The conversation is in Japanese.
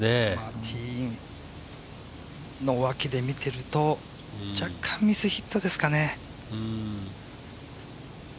ティーの脇で見てると若干ミスヒットですかね。